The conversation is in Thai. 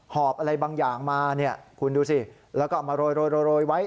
อบอะไรบางอย่างมาเนี่ยคุณดูสิแล้วก็เอามาโรยไว้